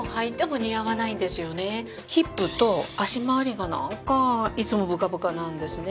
ヒップと脚回りがなんかいつもブカブカなんですね。